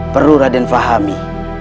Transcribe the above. perlu raden fahami